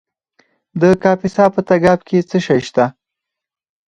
د کاپیسا په تګاب کې څه شی شته؟